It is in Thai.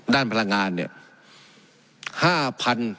ด้านพลังงานเนี่ย